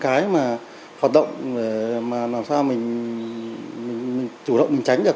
để từ đó thì doanh nghiệp có những cái hoạt động mà làm sao mình chủ động mình tránh được